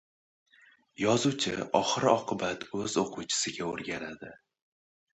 Yozuvchi oxir-oqibat o‘z o‘quvchisiga o‘rganadi.